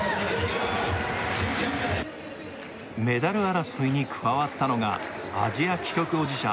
メダル争いに加わったのがアジア記録保持者